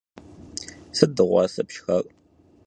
Sıt dığuase pşşxar?